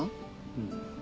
うん。